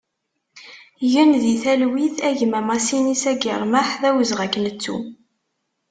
Gen di talwit a gma Masinisa Germaḥ, d awezɣi ad k-nettu!